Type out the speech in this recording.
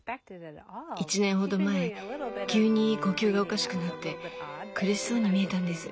１年ほど前急に呼吸がおかしくなって苦しそうに見えたんです。